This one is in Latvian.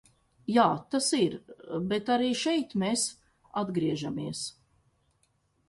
Jā, tas ir, bet arī šeit mēs atgriežamies.